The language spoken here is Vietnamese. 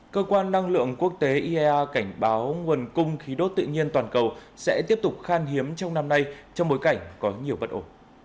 cơ quan năng lượng quốc tế iea cảnh báo nguồn cung khí đốt tự nhiên toàn cầu sẽ tiếp tục khan hiếm trong năm nay trong bối cảnh có nhiều bất ổn